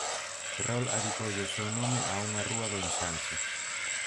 Ferrol adicoulle o seu nome a unha rúa do ensanche.